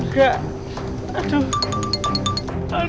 aduh aduh dek